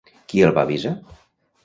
Qui el va avisar?